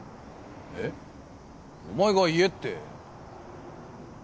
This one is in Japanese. えっ？お前が言えって。